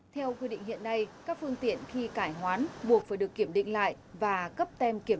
theo quy định hiện nay các phương tiện khi cải hoán buộc phải được kiểm định lại và cấp tem kiểm